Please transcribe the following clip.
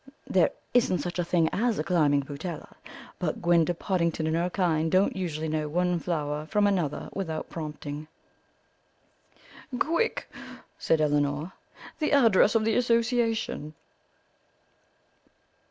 There isn't such a thing as a climbing putella, but Gwenda Pottingdon and her kind don't usually know one flower from another without prompting." "Quick," said Elinor, "the address of the Association."